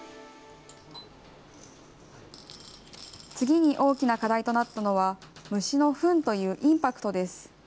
次に大きな課題となったのは、虫のフンというインパクトです。